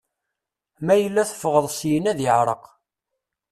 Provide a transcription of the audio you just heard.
Ma yella teffɣeḍ syin ad iɛreq.